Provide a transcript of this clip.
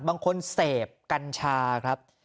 บางคนเสพกัญชาครับ